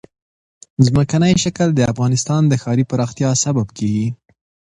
ځمکنی شکل د افغانستان د ښاري پراختیا سبب کېږي.